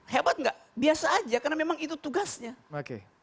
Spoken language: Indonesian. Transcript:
hebat nggak biasa aja karena memang itu tugasnya